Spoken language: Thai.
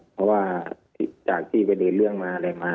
เพราะว่าจากที่เวลาเรียนเรื่องมาเลยมา